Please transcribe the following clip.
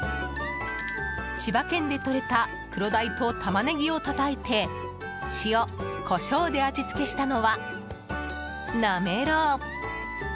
千葉県でとれた黒鯛とタマネギをたたいて塩、コショウで味付けしたのはなめろう。